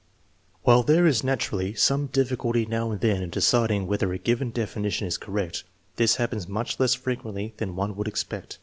While there is naturally some difficulty now and then in deciding whether a given definition is correct, this hap pens much less frequently than one would expect.